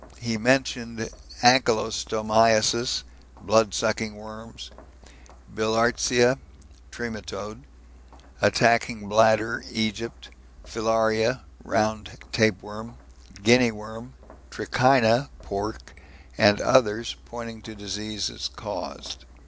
He mentioned ankylostomiasis, blood sucking worms, Bilhartsia (Trematode) attacking bladder (Egypt), Filaria (round tapeworm), Guinea worm, Trichina (pork), and others, pointing to disease caused.